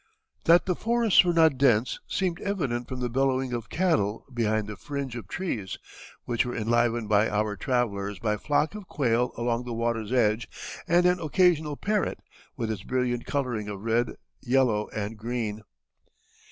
That the forests were not dense seemed evident from the bellowing of cattle behind the fringe of trees, which were enlivened for our travellers by flocks of quail along the water's edge and an occasional parrot with its brilliant coloring of red, yellow, and green.